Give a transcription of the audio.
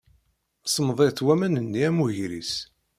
Semmḍit waman-nni am wegris.